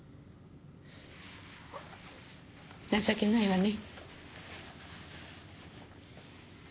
情けないわね。